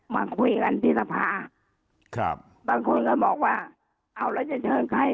มาคุยกันที่สภาครับบางคนก็บอกว่าเอาแล้วจะเชิญใคร